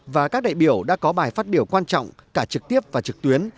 và các đại biểu đã có bài phát biểu quan trọng cả trực tiếp và trực tuyến